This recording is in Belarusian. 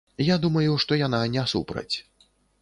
Я думаю, што яна не супраць.